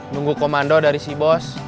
nunggu komando dari si bos